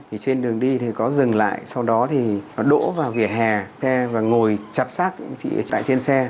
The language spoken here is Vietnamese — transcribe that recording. trên đường đi thì có dừng lại sau đó thì nó đỗ vào vỉa hè xe và ngồi chặt xác tại trên xe